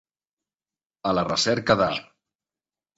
A la recerca de.